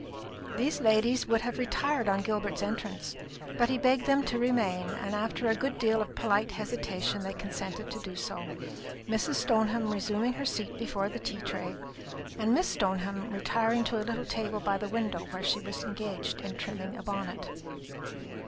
These ladies would have retired on Gilbert's entrance, but he begged them to remain; and after a good deal of polite hesitation they consented to do so, Mrs. Stoneham resuming her seat before the tea tray, and Miss Stoneham retiring to a little table by the window, where she was engaged in trimming a bonnet.